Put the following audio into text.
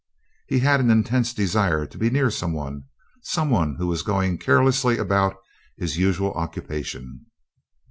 He had an intense desire to be near some one some one who was going carelessly about his usual occupation.